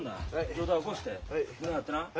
上体起こして胸張ってな。